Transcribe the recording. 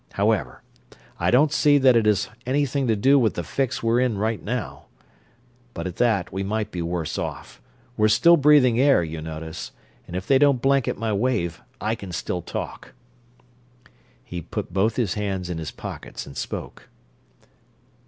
However, I don't see that it has anything to do with the fix we're in right now but at that, we might be worse off. We're still breathing air, you notice, and if they don't blanket my wave I can still talk." He put both hands in his pockets and spoke.